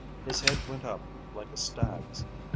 His head went up like a stag's.